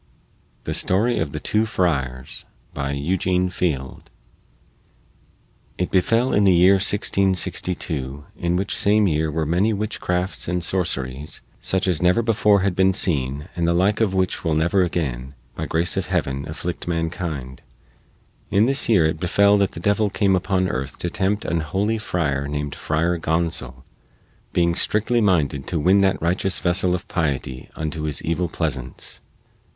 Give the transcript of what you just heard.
THE STORY OF THE TWO FRIARS BY EUGENE FIELD It befell in the year 1662, in which same year were many witchcrafts and sorceries, such as never before had been seen and the like of which will never again, by grace of Heaven, afflict mankind in this year it befell that the devil came upon earth to tempt an holy friar, named Friar Gonsol, being strictly minded to win that righteous vessel of piety unto his evil pleasance.